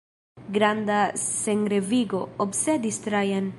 Granda senrevigo obsedis Trajan.